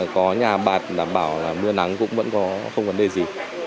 có nhà bạc đảm bảo là mưa nắng cũng vẫn có không vấn đề gì